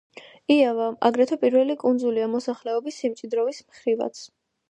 იავა აგრეთვე პირველი კუნძულია მოსახლეობის სიმჭიდროვის მხრივაც.